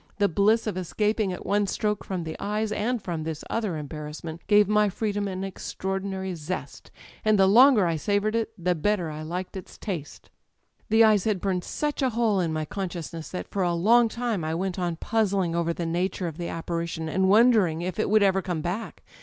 The bliss of escaping at one stroke from the eyes, and from this other embarrassment, gave my freedom an extraordinary zest; and the longer I savoured it the better I liked its taste. '^The eyes had burned such a hole in my conscious ness that for a long time I went on puzzling over the nature of the apparition, and wondering if it would ever come back.